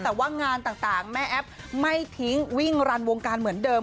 แต่ว่างานต่างแม่แอ๊บไม่ทิ้งวิ่งรันวงการเหมือนเดิม